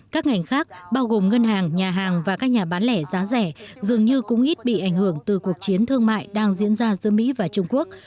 các ngành khác bao gồm ngân hàng nhà hàng và các nhà bán lẻ giá rẻ dường như cũng ít bị ảnh hưởng từ cuộc chiến thương mại đang diễn ra giữa mỹ và trung quốc